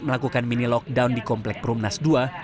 melakukan mini lockdown di komplek perumnas ii